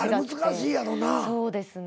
そうですね。